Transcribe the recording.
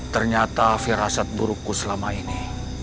ternyata firasat burukku selama ini